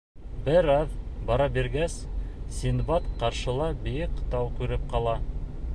Бер аҙ бара биргәс, Синдбад ҡаршыла бейек тау күреп ҡала.